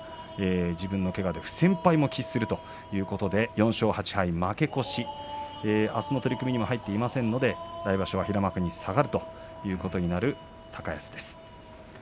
自分のけがで不戦敗も喫する４勝８敗、負け越しあすの取組に入ってませんので来場所は平幕に下がるという高安です。